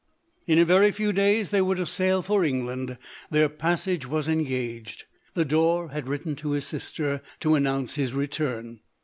In a very few days they were to sail for Eng land. Their passage was engaged. Lodore had written to his sister to announce his return.